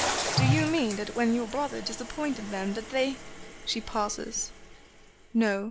"Do you mean that when your brother disappointed them that they " she pauses. "No.